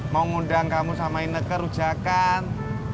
mau ngundang kamu sama ineke rujakan